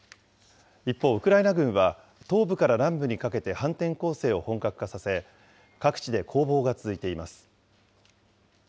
一方、ウクライナ軍は、東部から南部にかけて反転攻勢を本格化させ、各地で攻防が続いています。